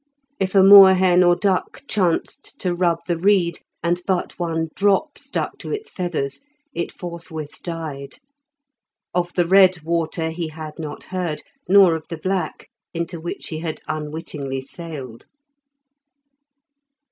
If a moorhen or duck chanced to rub the reed, and but one drop stuck to its feathers, it forthwith died. Of the red water he had not heard, nor of the black, into which he had unwittingly sailed.